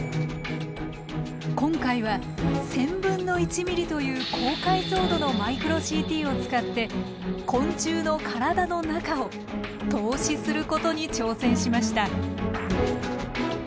今回は１０００分の１ｍｍという高解像度のマイクロＣＴを使って昆虫の体の中を透視することに挑戦しました。